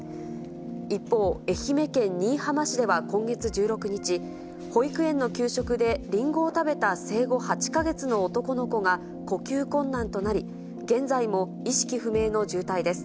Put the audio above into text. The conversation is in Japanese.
一方、愛媛県新居浜市では今月１６日、保育園の給食で、りんごを食べた生後８か月の男の子が、呼吸困難となり、現在も意識不明の重体です。